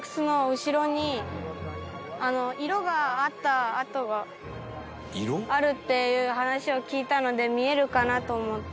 色があった跡があるっていう話を聞いたので見えるかなと思って。